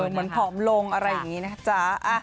เหมือนผอมลงอะไรอย่างนี้นะจ๊ะ